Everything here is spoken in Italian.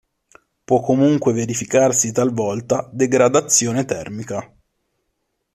Può comunque verificarsi talvolta degradazione termica.